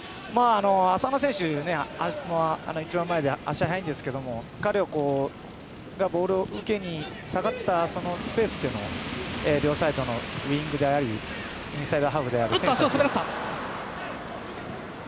浅野選手、一番前で足が速いんですけど彼がボールを受けに下がったスペースを両サイドのウィングでありインサイドハーフでもある。